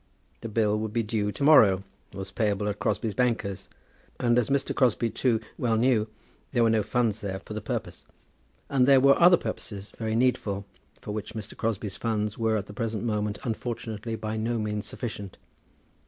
The bill would be due to morrow, was payable at Crosbie's bankers; and, as Mr. Crosbie too well knew, there were no funds there for the purpose. And there were other purposes, very needful, for which Mr. Crosbie's funds were at the present moment unfortunately by no means sufficient.